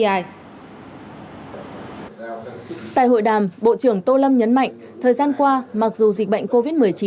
tại hội đàm bộ trưởng tô lâm nhấn mạnh thời gian qua mặc dù dịch bệnh covid một mươi chín